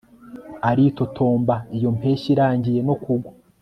aritotomba iyo impeshyi irangiye no kugwa